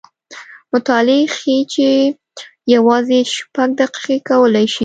مطالعې ښیې چې یوازې شپږ دقیقې کولی شي